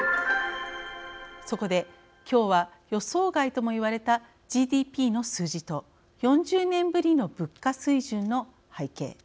そこで今日は予想外とも言われたＧＤＰの数字と４０年ぶりの物価水準の背景。